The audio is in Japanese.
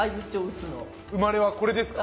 生まれはこれですか？